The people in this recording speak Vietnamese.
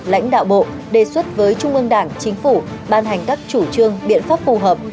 lãnh đạo bộ đề xuất với trung ương đảng chính phủ ban hành các chủ trương biện pháp phù hợp